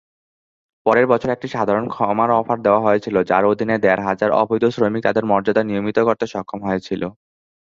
পরের বছর, একটি সাধারণ ক্ষমার অফার দেওয়া হয়েছিল যার অধীনে দেড় হাজার অবৈধ শ্রমিক তাদের মর্যাদা নিয়মিত করতে সক্ষম হয়েছিল।